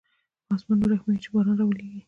په اسمان ورحمېږه چې باران راولېږي.